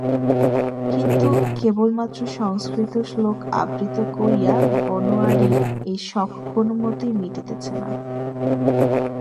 কিন্তু, কেবলমাত্র সংস্কৃত শ্লোক আবৃত্তি করিয়া বনোয়ারির এই শখ কোনোমতেই মিটিতেছে না।